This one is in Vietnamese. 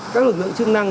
các lực lượng chức năng